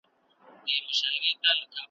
چي خالق د لمر او مځکي او اسمان `